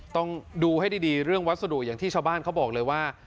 ต้องดูให้ดีเรื่องวัสดุอย่างที่ชาวบ้านเขาบอกเลยว่า